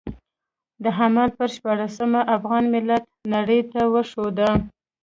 د حمل پر شپاړلسمه افغان ملت نړۍ ته وښوده.